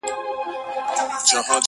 • ستا نصیحت مي له کرداره سره نه جوړیږي -